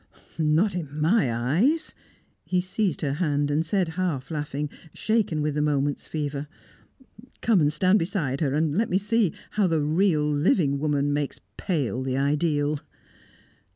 "Not in my eyes!" He seized her hand, and said, half laughing, shaken with the moment's fever, "Come and stand beside her, and let me see how the real living woman makes pale the ideal!"